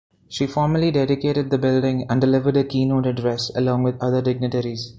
She formally dedicated the building and delivered a keynote address along with other dignitaries.